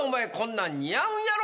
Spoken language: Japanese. なん似合うんやろ